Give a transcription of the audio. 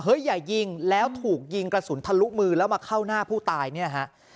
อย่ายิงแล้วถูกยิงกระสุนทะลุมือแล้วมาเข้าหน้าผู้ตายเนี่ยฮะ